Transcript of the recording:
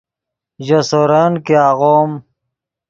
ژے سورن کہ آغوم